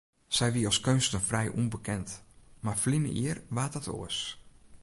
Sy wie as keunstner frij ûnbekend, mar ferline jier waard dat oars.